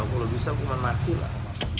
kalau bisa bukan mati lah